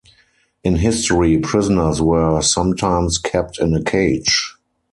In history, prisoners were sometimes kept in a cage.